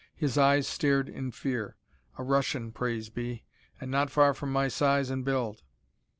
His eyes stared in fear. A Russian, praise be. And not far from my size and build.